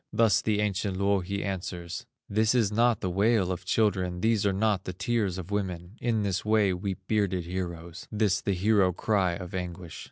Thus the ancient Louhi answers: "This is not the wail of children, These are not the tears of women, In this way weep bearded heroes; This the hero cry of anguish."